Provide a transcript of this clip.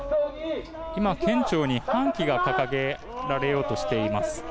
今、県庁に半旗が掲げられようとしています。